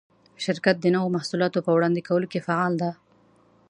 شرکت د نوو محصولاتو په وړاندې کولو کې فعال دی.